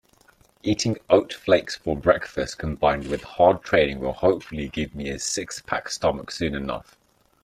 Eating oat flakes for breakfast combined with hard training will hopefully give me a six-pack stomach soon enough.